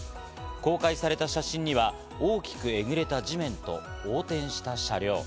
公開された写真には大きくえぐれた地面と、横転した車両。